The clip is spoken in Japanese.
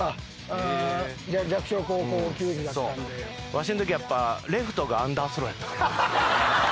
わしんときレフトがアンダースローやったから。